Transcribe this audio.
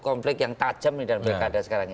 konflik yang tajam di dalam rakyat sekarang ini